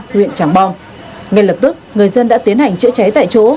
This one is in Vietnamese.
huyện tràng bom ngay lập tức người dân đã tiến hành chữa cháy tại chỗ